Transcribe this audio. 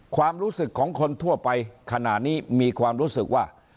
ความรู้สึกของคนทั่วไปขณะนี้มีความรู้สึกว่า